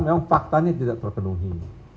memang faktanya tidak terpenuhi